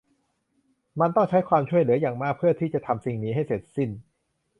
มันต้องใช้ความช่วยเหลืออย่างมากเพื่อที่จะทำสิ่งนี้ให้เสร็จสิ้น